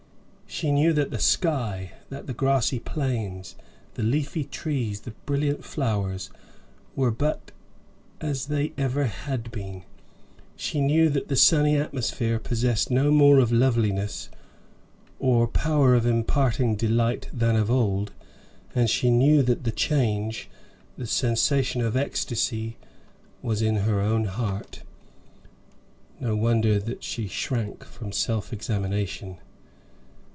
She knew that the sky, that the grassy plains, the leafy trees, the brilliant flowers, were but as they ever had been; she knew that the sunny atmosphere possessed no more of loveliness or power of imparting delight than of old; and she knew that the change, the sensation of ecstacy, was in her own heart. No wonder that she shrank from self examination.